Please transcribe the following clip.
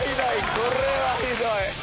これはひどい！